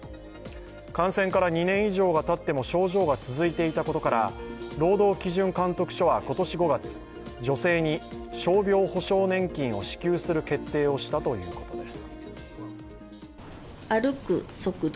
感染から２年以上たっても症状が続いていたことから労働基準監督署は今年５月、女性に傷病補償年金を支給する決定をしたということです。